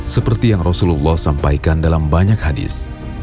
seperti yang rasulullah sampaikan dalam banyak hadis